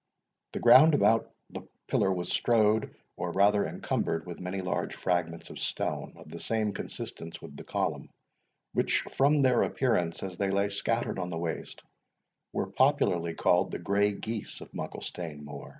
The ground about the pillar was strewed, or rather encumbered, with many large fragments of stone of the same consistence with the column, which, from their appearance as they lay scattered on the waste, were popularly called the Grey Geese of Mucklestane Moor.